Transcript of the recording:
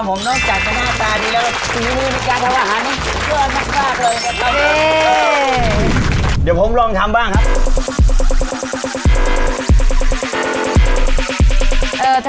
สูงมือในการทำหวานเยอะมากมากเลยเดี๋ยวผมลองทำบ้างครับ